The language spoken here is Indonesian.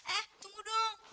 eh tunggu dong